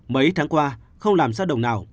mấy tháng qua không làm xác đồng nào